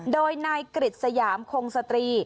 โดยนายกริจสยามคงสตรี